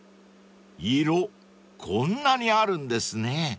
［色こんなにあるんですね］